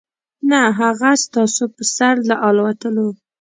نه هغه ستاسو په سر له الوتلو .